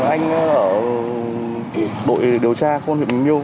anh ở đội điều tra khuôn huyện bình liêu